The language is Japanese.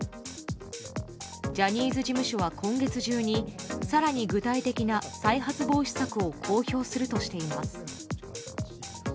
ジャニーズ事務所は今月中に更に具体的な再発防止策を公表するとしています。